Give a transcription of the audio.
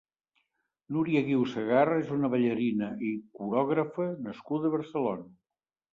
Nuria Guiu Sagarra és una ballarina i corògrafa nascuda a Barcelona.